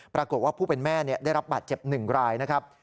ปรากฏว่าผู้เป็นแม่ได้รับบาดเจ็บ๑รายนะครับ